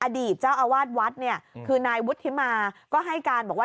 อดีตเจ้าอาวาสวัดเนี่ยคือนายวุฒิมาก็ให้การบอกว่า